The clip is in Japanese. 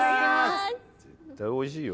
絶対おいしいよ。